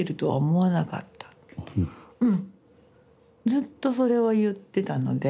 ずっとそれは言ってたので。